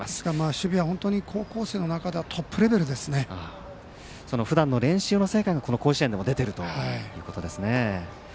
守備は本当に高校生の中ではトップレベルですね。ふだんの練習の成果がこの甲子園でも出ているということですね。